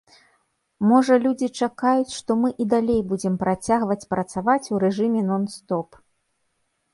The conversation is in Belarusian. Можа, людзі чакаюць, што мы і далей будзем працягваць працаваць у рэжыме нон-стоп.